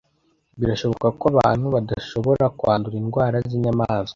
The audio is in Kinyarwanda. Birashoboka ko abantu badashobora kwandura indwara zinyamaswa.